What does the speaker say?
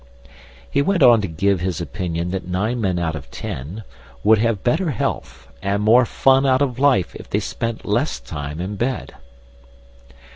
He went on to give his opinion that nine men out of ten would have better health and more fun out of life if they spent less time in bed.